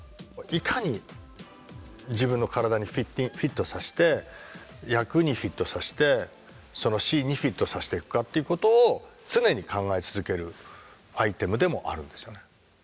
いかに自分の体にフィットさせて役にフィットさせてそのシーンにフィットさせていくかっていうことを常に考え続けるアイテムでもあるんですよね。